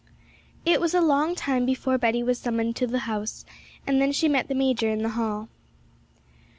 It was a long time before Betty was summoned to the house; and then she met the major in the hall.